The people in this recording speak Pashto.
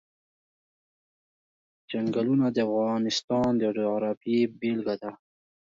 چنګلونه د افغانستان د جغرافیې بېلګه ده.